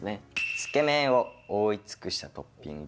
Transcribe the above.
「つけ麺を覆い尽くしたトッピング」。